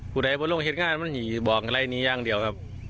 พู่นายบ่นน้องหืดงานมันที่บอกอะไรเนี่ยยังเดี๋ยวครับ